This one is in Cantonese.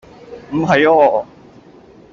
唔係啊